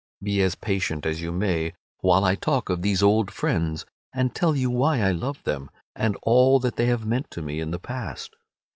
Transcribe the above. Be as patient as you may, while I talk of these old friends, and tell you why I love them, and all that they have meant to me in the past.